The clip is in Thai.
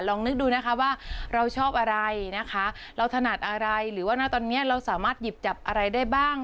นึกดูนะคะว่าเราชอบอะไรนะคะเราถนัดอะไรหรือว่านะตอนนี้เราสามารถหยิบจับอะไรได้บ้าง